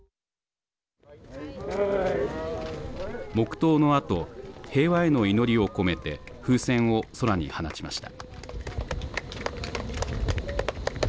黙とうのあと平和への祈りを込めて風船を空に放ちました。